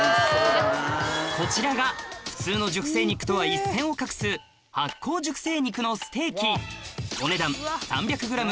こちらが普通の熟成肉とは一線を画す発酵熟成肉のステーキお値段３００ｇ